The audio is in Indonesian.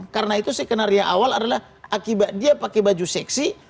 karena itu sekenar yang awal adalah akibat dia pakai baju seksi